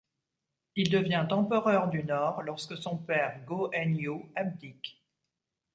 Il devient empereur du Nord lorsque son père Go-En'yū abdique.